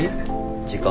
時間。